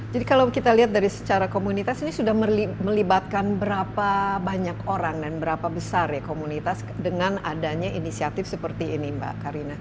jadi kalau kita lihat dari secara komunitas ini sudah melibatkan berapa banyak orang dan berapa besar ya komunitas dengan adanya inisiatif seperti ini mbak karina